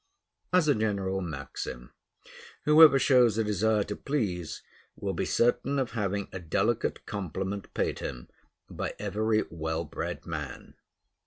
As a general maxim: Whoever shows a desire to please will be certain of having a delicate compliment paid him by every well bred man.